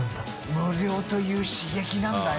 「無料という刺激なんだよ」